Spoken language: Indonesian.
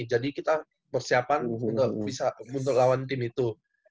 jadi kita persiapan untuk bisa lawan tim itu